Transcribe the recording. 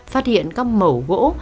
phát hiện các mẫu gỗ